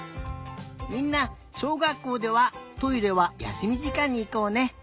みんなしょうがっこうではトイレはやすみじかんにいこうね。